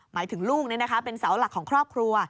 หมายถึงลูกเป็นเสาหลักของครอบครัว